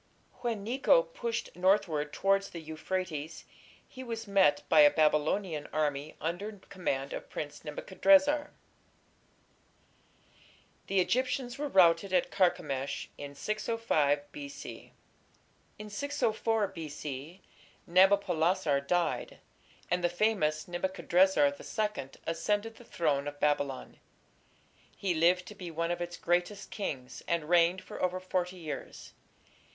When Necho pushed northward towards the Euphrates he was met by a Babylonian army under command of Prince Nebuchadrezzar. The Egyptians were routed at Carchemish in 605 B.C. (Jeremiah, xvi, 2). In 604 B.C. Nabopolassar died, and the famous Nebuchadrezzar II ascended the throne of Babylon. He lived to be one of its greatest kings, and reigned for over forty years.